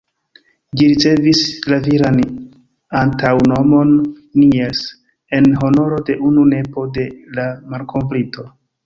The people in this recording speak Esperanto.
Ĝi ricevis la viran antaŭnomon ""Niels"" en honoro de unu nepo de la malkovrinto.